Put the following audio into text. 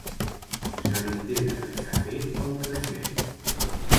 Se li té de deixar fer el creixent.